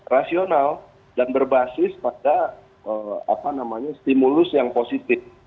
rasional dan berbasis pada stimulus yang positif